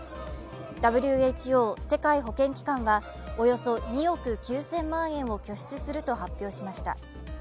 ＷＨＯ＝世界保健機関はおよそ２億９０００万円を拠出すると発表しました。